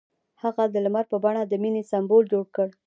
هغه د لمر په بڼه د مینې سمبول جوړ کړ.